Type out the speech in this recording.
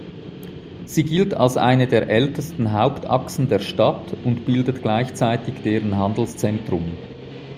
Sie gilt als eine der ältesten Hauptachsen der Stadt und bildet gleichzeitig deren Handelszentrum.